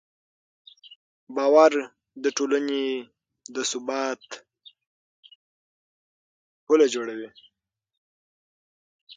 باور د ټولنې د ثبات پله جوړوي.